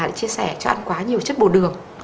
đã chia sẻ cho ăn quá nhiều chất bột đường